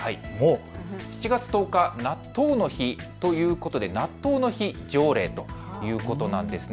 ７月１０日、納豆の日ということで納豆の日条例ということなんです。